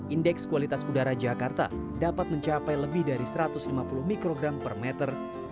indeks kualitas udara jakarta dapat mencapai lebih dari satu ratus lima puluh mikrogram per meter